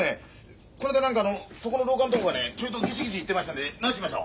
何かあのそこの廊下んとこがねちょいとギシギシいってましたんで直しときましょう。